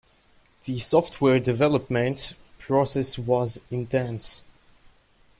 The software development process was intense.